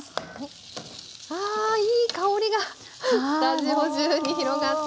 あいい香りがスタジオ中に広がっています！